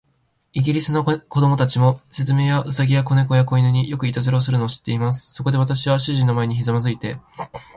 イギリスの子供たちも、雀や、兎や、小猫や、小犬に、よくいたずらをするのを知っています。そこで、私は主人の前にひざまずいて